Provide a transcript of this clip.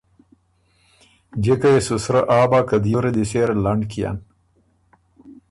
جِکه يې سُو سرۀ آ بۀ که دیوره دی سېره لنډ کيېن،